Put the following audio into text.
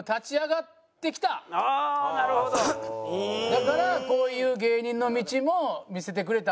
だからこういう芸人の道も見せてくれた。